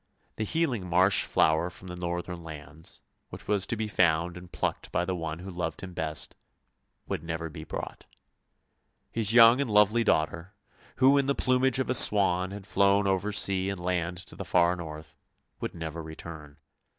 The healing marsh flower from the northern lands, which was to be found and plucked by the one who loved him best, would never be brought. His young and lovely daughter, who in the plumage of a swan had flown over sea and land to the far north, would never return.